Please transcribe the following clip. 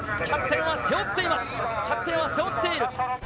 キャプテンは背負っている。